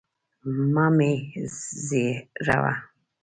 مه مي زهيروه.